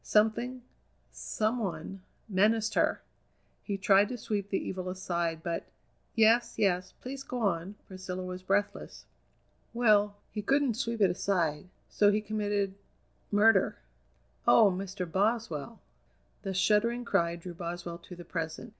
Something, some one, menaced her! He tried to sweep the evil aside, but " "Yes, yes, please go on!" Priscilla was breathless. "Well, he couldn't sweep it aside; so he committed murder." "Oh! Mr. Boswell!" The shuddering cry drew Boswell to the present.